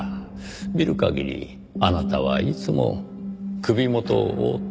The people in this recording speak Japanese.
見る限りあなたはいつも首元を覆ってらっしゃる。